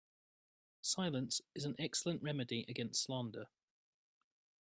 Silence is an excellent remedy against slander.